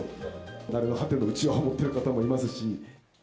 なれのはてのうちわを持ってる方もいますし。